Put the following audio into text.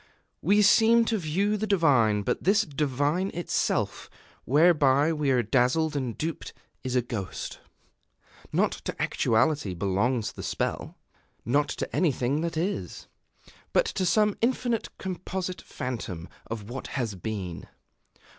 We seem to view the divine; but this divine itself, whereby we are dazzled and duped, is a ghost. Not to actuality belongs the spell, not to anything that is, but to some infinite composite phantom of what has been.